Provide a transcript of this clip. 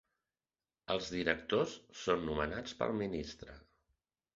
Els directors són nomenats pel ministre.